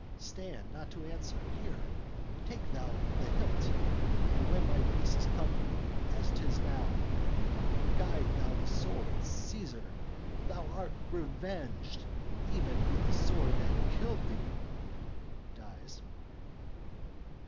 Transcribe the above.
Stand not to answer; here, take thou the hilt; And when my face is covered, as 'tis now, Guide thou the sword; Cæsar, thou art revenged, Even with the sword that killed thee!"_ (Dies.)